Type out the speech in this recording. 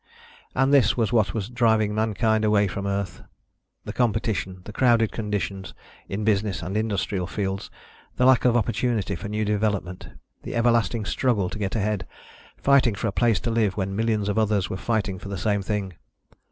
And this was what was driving mankind away from the Earth. The competition, the crowded conditions, in business and industrial fields, the lack of opportunity for new development, the everlasting struggle to get ahead, fighting for a place to live when millions of others were fighting for the same thing.